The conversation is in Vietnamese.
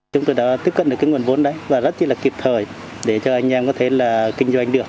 chúng tôi đã tiếp cận được cái nguồn vốn đấy và rất là kịp thời để cho anh em có thể là kinh doanh được